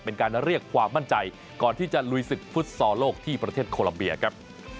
เป็นการเรียกความมั่นใจก่อนที่จะลุยศึกฟุตซอลโลกที่ประเทศโคลัมเบียครับ